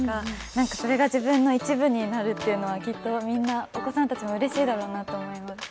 なんか、それが自分の一部になるっていうのはきっとみんな、お子さんたちもうれしいだろうなと思います。